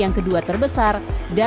agar bang radia